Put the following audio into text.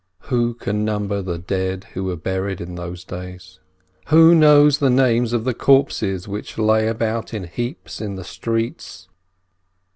Who can number the dead who were buried in those days! Who knows the names of the corpses which lay about in heaps in the streets